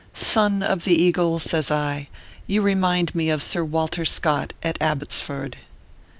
" Son of the Eagle," says I, " you remind me of Sir Walter Scott, at Abbotsford."